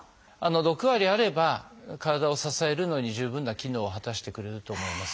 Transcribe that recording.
６割あれば体を支えるのに十分な機能を果たしてくれると思います。